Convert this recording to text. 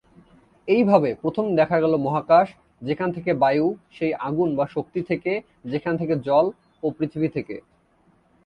এইভাবে, প্রথম দেখা গেল মহাকাশ, যেখান থেকে বায়ু, সেই আগুন বা শক্তি থেকে, যেখান থেকে জল, ও পৃথিবী থেকে।